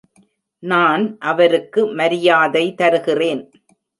நான் அவருக்கு மரியாதை தருகிறேன்.